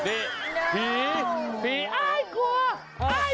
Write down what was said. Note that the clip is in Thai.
โอ้โอ้โอ้โอ้โอ้โอ้